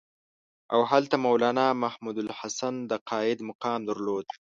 او هلته مولنا محمودالحسن د قاید مقام درلود.